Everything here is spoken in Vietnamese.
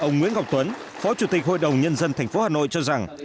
ông nguyễn ngọc tuấn phó chủ tịch hội đồng nhân dân thành phố hà nội cho rằng